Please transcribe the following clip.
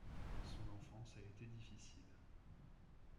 Son enfance a été difficile.